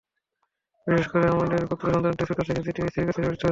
বিশেষ করে আমার পুত্রসন্তানটি ছোট থেকে দ্বিতীয় স্ত্রীর কাছেই লালিত হচ্ছে।